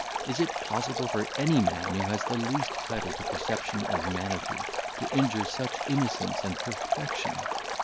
is it possible for any man who has the least title to perception or humanity to injure such innocence and perfection!